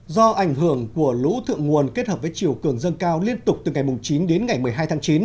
do ảnh hưởng của lũ thượng nguồn kết hợp với chiều cường dâng cao liên tục từ ngày chín đến ngày một mươi hai tháng chín